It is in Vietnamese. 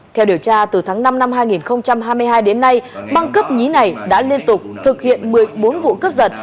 theo điều tra từ tháng năm năm hai nghìn hai mươi hai đến nay băng cấp nhí này đã liên tục thực hiện một mươi bốn vụ cướp giật